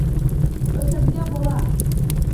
O’sadigan bola.